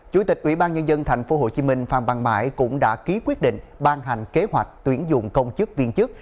chủ tịch ubnd tp hcm phạm văn mãi cũng đã ký quyết định ban hành kế hoạch tuyển dụng công chức viên chức